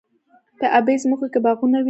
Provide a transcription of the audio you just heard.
په ابی ځمکو کې باغونه وي.